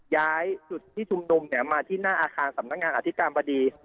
ย้ายจุดที่ชุมนุมมาที่หน้าอาคารสำนักงานอธิการบดี